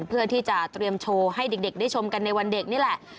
เพื่อที่จะเตรียมโชว์ให้เด็กได้ชมกันในวันเด็กนี่แหละ